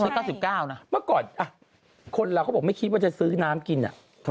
๙๙นะเมื่อก่อนคนเราเขาบอกไม่คิดว่าจะซื้อน้ำกิน